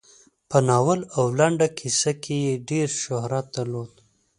په ناول او لنډه کیسه کې یې ډېر شهرت درلود.